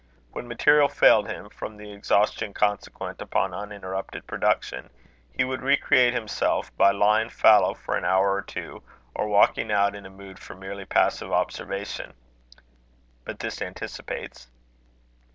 When material failed him, from the exhaustion consequent upon uninterrupted production, he would recreate himself by lying fallow for an hour or two, or walking out in a mood for merely passive observation. But this anticipates.